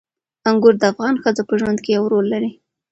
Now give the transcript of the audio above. انګور د افغان ښځو په ژوند کې یو رول لري.